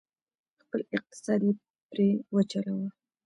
خپل اقتصاد یې پرې وچلوه،